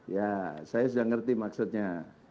ya saya sudah ngerti maksudnya